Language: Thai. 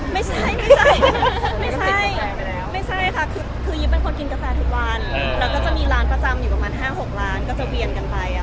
ไม่ใช่ไม่ใช่ค่ะคือยิบเป็นคนกินกาแฟทุกวันแล้วก็จะมีร้านประจำอยู่ประมาณ๕๖ล้านก็จะเบียนกันไป